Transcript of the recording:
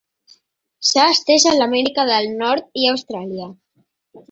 S'ha estès a l'Amèrica del Nord i Austràlia.